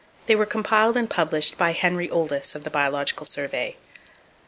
They were compiled and published by Henry Oldys, of the Biological Survey.